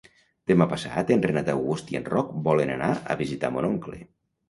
Demà passat en Renat August i en Roc volen anar a visitar mon oncle.